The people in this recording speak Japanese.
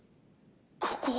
ここは？